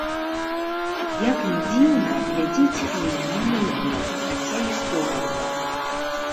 Як ні дзіўна, глядзець фільм не нудна, хаця і сорамна.